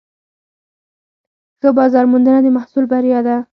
ښه بازارموندنه د محصول بریا ده.